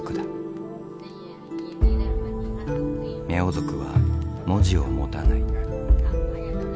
ミャオ族は文字を持たない。